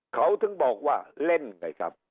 เขาถึงบอกว่าเล่นไงครับ